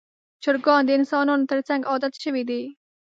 چرګان د انسانانو تر څنګ عادت شوي دي.